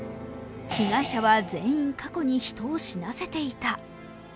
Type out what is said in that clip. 被害者は全員過去に人を死なせていた。